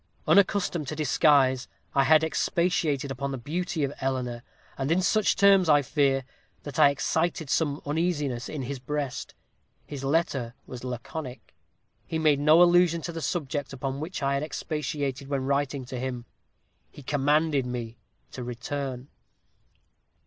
Unaccustomed to disguise, I had expatiated upon the beauty of Eleanor, and in such terms, I fear, that I excited some uneasiness in his breast. His letter was laconic. He made no allusion to the subject upon which I had expatiated when writing to him. He commanded me to return.